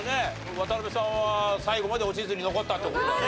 渡辺さんは最後まで落ちずに残ったって事だね。